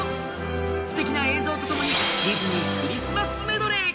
すてきな映像とともにディズニークリスマスメドレー！